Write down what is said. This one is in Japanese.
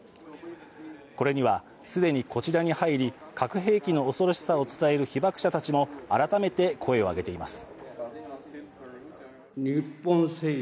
これには、既にこちらに入り核兵器の恐ろしさを伝える被爆者たちも改めて声を上げています。